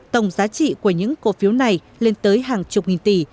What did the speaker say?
tổng giá trị của những cổ phiếu này lên tới hàng chục nghìn tỷ